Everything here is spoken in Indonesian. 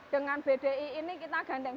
dengan bdi ini kita gandeng